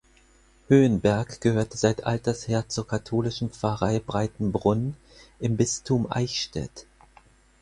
Höhenberg gehörte seit altersher zur katholischen Pfarrei Breitenbrunn im Bistum Eichstätt.